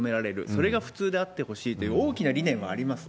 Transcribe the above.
それが普通であってほしいという、大きな理念はあります。